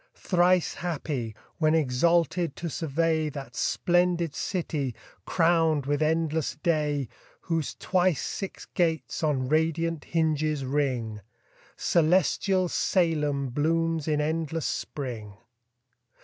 Thrice happy, when exalted to survey That splendid city, crown'd with endless day, Whose twice six gates on radiant hinges ring: Celestial Salem blooms in endless spring.